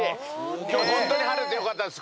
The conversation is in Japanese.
今日ホントに晴れてよかったです。